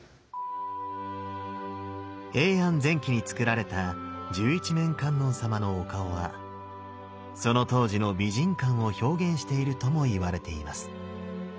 平安前期に造られた十一面観音様のお顔はその当時の美人感を表現しているともいわれています。